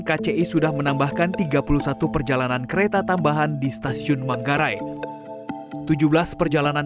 kci sudah menambahkan tiga puluh satu perjalanan kereta tambahan di stasiun manggarai tujuh belas perjalanan